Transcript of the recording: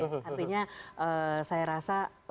artinya saya rasa untuk soal diskusi